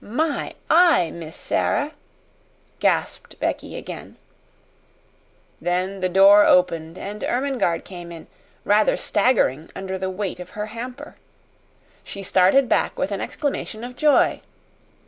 "My eye, Miss Sara!" gasped Becky again. Then the door opened, and Ermengarde came in, rather staggering under the weight of her hamper. She started back with an exclamation of joy.